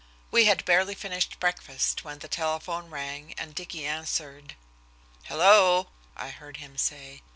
We had barely finished breakfast when the telephone rang and Dicky answered. "Hello," I heard him say.